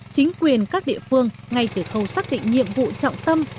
chính quyền các địa phương ngay từ khâu xác định nhiệm vụ trọng tâm